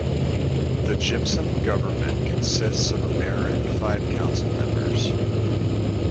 The Gypsum government consists of a mayor and five council members.